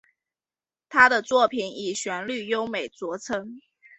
他的作品以旋律优美着称。